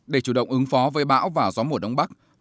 để chủ động ứng phó với bão và gió mùa đông bắc